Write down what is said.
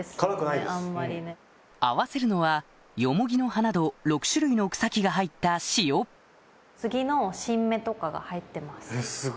合わせるのはヨモギの花と６種類の草木が入った塩スギの新芽とかが入ってます。